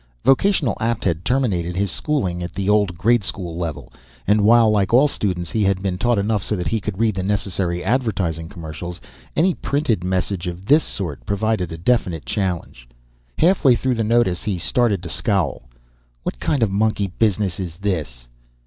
Vocational Apt had terminated his schooling at the old grade school level, and while like all students he had been taught enough so that he could read the necessary advertising commercials, any printed message of this sort provided a definite challenge. Halfway through the notice he started to scowl. "What kind of monkey business is this?"